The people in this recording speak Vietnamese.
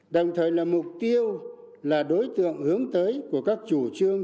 đồng thời là mục tiêu là đối tượng hướng tới của các chủ trương